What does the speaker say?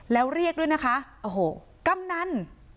แล้วเรียกด้วยนะคะโอ้โหกำนัน